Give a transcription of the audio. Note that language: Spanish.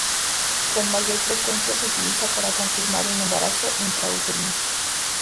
Con mayor frecuencia, se utiliza para confirmar un embarazo intrauterino.